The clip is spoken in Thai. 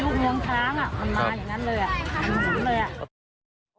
เหมือนอย่างกับอ่ะมันมาอย่างนั้นเลยอ่ะ